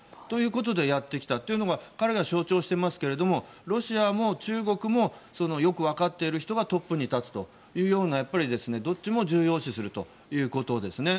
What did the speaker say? ということでやってきたというのが彼が象徴していますが中国もロシアもよくわかっている人がトップに立つというようなどっちも重要視するということです。